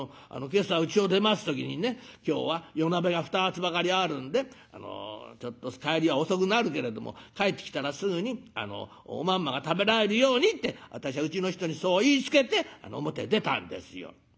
今朝うちを出ます時にね今日は夜なべが２つばかりあるんでちょっと帰りは遅くなるけれども帰ってきたらすぐにおまんまが食べられるようにって私はうちの人にそう言いつけて表へ出たんですよ」。